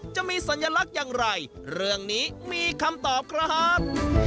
จะมีสัญลักษณ์อย่างไรเรื่องนี้มีคำตอบครับ